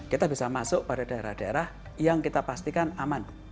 kita bisa masuk pada daerah daerah yang kita pastikan aman